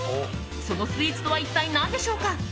そのスイーツとは一体何でしょうか。